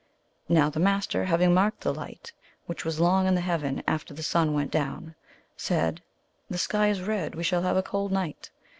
Now the Master, having marked the light, which was long in the heaven after the sun went down, said, " The sky is red ; we shall have a cold night."